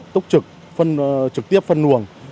túc trực trực tiếp phân luồng